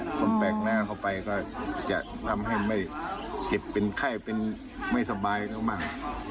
คนแปลกหน้าเข้าไปก็จะทำให้ไม่เจ็บเป็นไข้เป็นไม่สบายเขาบ้าง